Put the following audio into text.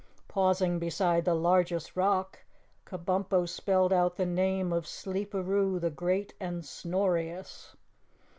Pausing beside the largest rock, Kabumpo spelled out the name of Sleeperoo the Great and Snorious.